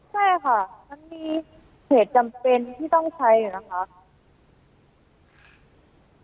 ใช่ค่ะมันมีเหตุจำเป็นที่ต้องใช้นะคะ